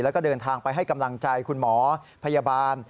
แล้วก็เดินทางไปให้กำลังใจคุณหมอพยาบาล